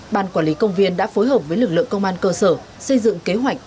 ban quản lý công viên đã phối hợp với lực lượng công an cơ sở xây dựng kế hoạch